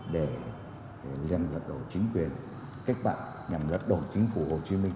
để lèn lật đổ chính quyền cách mạng nhằm lật đổ chính phủ hồ chí minh